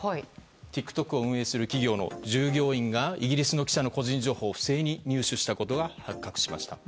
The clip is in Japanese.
ＴｉｋＴｏｋを運営する企業の従業員がイギリスの記者の個人情報を不正に入手したことが発覚しました。